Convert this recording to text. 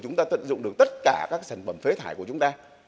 chúng ta tận dụng được tất cả các sản phẩm phế thải của chúng ta